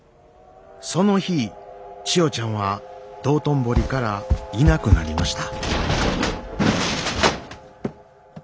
その日千代ちゃんは道頓堀からいなくなりました。